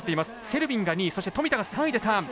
セルビンが２位そして富田が３位でターン。